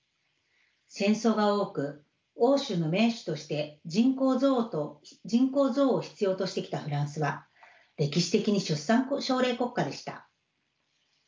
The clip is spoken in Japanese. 戦争が多く欧州の盟主として人口増を必要としてきたフランスは歴史的に出産奨励国家でした。